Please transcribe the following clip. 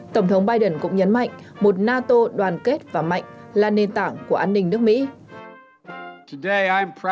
tổng thống biden cũng nhấn mạnh một nato đoàn kết và mạnh là nền tảng của an ninh nước mỹ